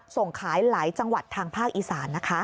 ส่งขายหลายจังหวัดทางภาคอีสานนะคะ